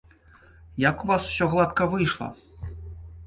Як у вас усё гладка выйшла!